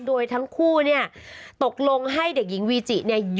โดยทั้งคู่เนี่ยตกลงให้เด็กหญิงวีจิเนี่ย